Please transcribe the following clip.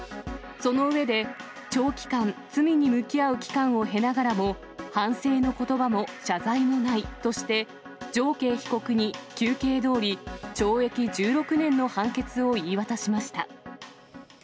その上で、長期間、罪に向き合う期間を経ながらも、反省のことばも謝罪もないとして、常慶被告に求刑どおり、懲役１６年の判決を言い渡しました。